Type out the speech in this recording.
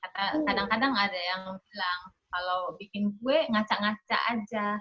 kadang kadang ada yang bilang kalau bikin kue ngacak ngaca aja